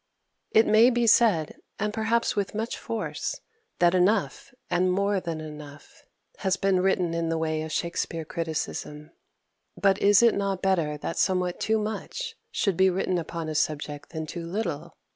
It may be said, and perhaps with much force, that enough, and more than enough, has been written in the way of Shakspere criticism. But is it not better that somewhat too much should be written upon such a subject than too little?